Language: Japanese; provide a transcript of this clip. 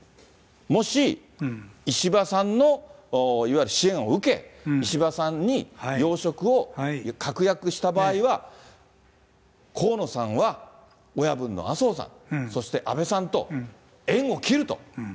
もし石破さんのいわゆる支援を受け、石破さんに要職を確約した場合は、河野さんは親分の麻生さん、そして安倍さんと縁を切ると。